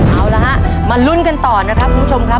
เอาละฮะมาลุ้นกันต่อนะครับคุณผู้ชมครับ